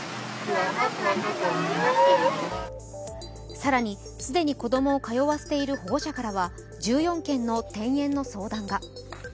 更に、既に子供を通わせている保護者からは１４件の転園の相談が。